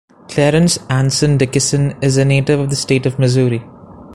Clarence Anson Dickison is a native of the state of Missouri.